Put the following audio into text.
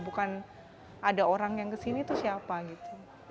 kalau bukan anda kalau bukan saya kalau bukan orang orang yang ke sini itu siapa gitu